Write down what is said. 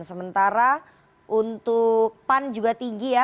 sementara untuk pan juga tinggi ya